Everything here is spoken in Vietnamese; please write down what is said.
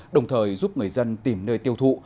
đồng thời giúp người dân tìm nơi tiêu thụ